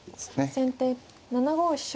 先手７五飛車。